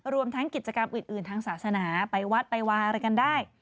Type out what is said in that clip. รวมทั้งกิจกรรมอื่นทางศาสนาไปวัดไปวายอะไรกันได้